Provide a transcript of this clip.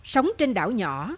sống trên đảo nhỏ